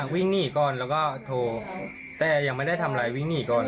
วิ่งหนีก่อนแล้วก็โทรแต่ยังไม่ได้ทำอะไรวิ่งหนีก่อน